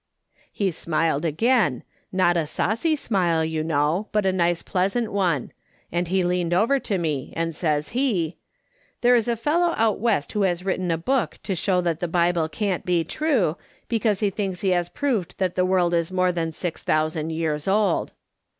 He smiled again; not a saucy smile, you know, but a nice, pleasant one; and he leaned over to me, and says lie :"' There is a fellow out West who has written a book to show that the Bible can't be true, because he thinks he has proved that the world is more than six thousand years old.'